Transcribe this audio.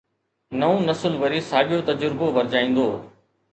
نئون نسل وري ساڳيو تجربو ورجائيندو.